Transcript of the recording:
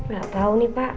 gak tau nih pak